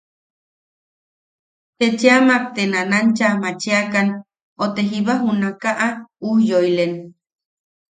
Te chea mak te nanancha maachiakan o te jiba junakaʼa ujyoilen.